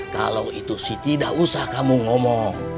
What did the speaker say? kalau itu sih tidak usah kamu ngomong